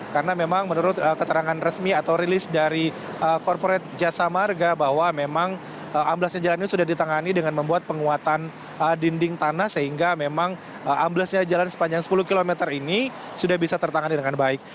karena memang menurut keterangan resmi atau rilis dari korporat jasa marga bahwa memang amblesnya jalan ini sudah ditangani dengan membuat penguatan dinding tanah sehingga memang amblesnya jalan sepanjang sepuluh kilometer ini sudah bisa tertangani dengan baik